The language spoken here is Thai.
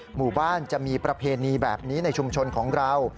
หมู่บ้านจะมีประเพณีแบบนี้ในชุมชนของเรา